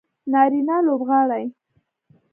نارینه لوبغاړي